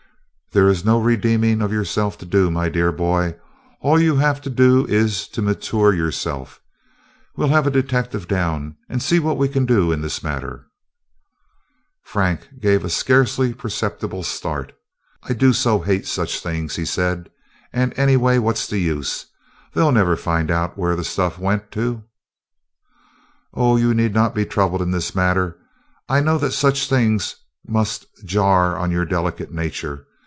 "There is no redeeming of yourself to do, my dear boy; all you have to do is to mature yourself. We 'll have a detective down and see what we can do in this matter." Frank gave a scarcely perceptible start. "I do so hate such things," he said; "and, anyway, what 's the use? They 'll never find out where the stuff went to." "Oh, you need not be troubled in this matter. I know that such things must jar on your delicate nature.